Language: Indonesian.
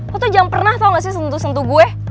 aku tuh jangan pernah tahu gak sih sentuh sentuh gue